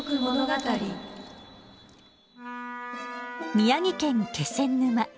宮城県気仙沼。